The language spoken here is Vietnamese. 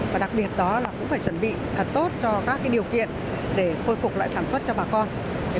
và đặc biệt đó là cũng phải chuẩn bị thật tốt cho các điều kiện để khôi phục lại sản xuất cho bà con